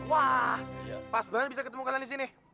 wah pas banget bisa ketemu kalian di sini